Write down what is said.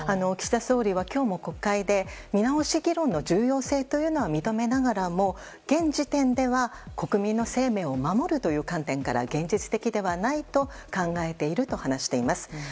岸田総理は今日も国会で見直し議論の重要性は認めながらも、現時点では国民の生命を守るという観点から現実的ではないと考えていると話しています。